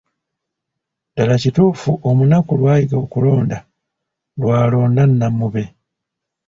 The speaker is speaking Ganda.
Ddala kituufu, omunaku lw'ayiga okulonda, lw'alonda nnamube.